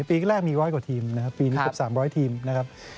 ปีแรกมี๑๐๐กว่าทีมนะครับปีนี้เกือบ๓๐๐ทีมนะครับ